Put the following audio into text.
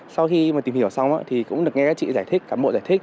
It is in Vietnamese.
sau khi tìm hiểu xong mình cũng nghe các chị giải thích các bộ giải thích